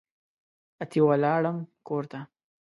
اتي ولاړم کورته